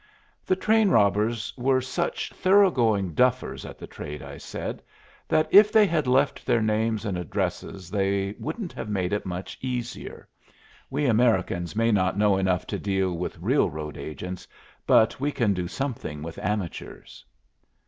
"The train robbers were such thoroughgoing duffers at the trade," I said, "that if they had left their names and addresses they wouldn't have made it much easier. We Americans may not know enough to deal with real road agents, but we can do something with amateurs."